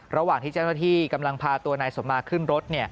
ระหว่างที่เจ้าหน้าที่กำลังพาตัวนายสมมาขึ้นรถ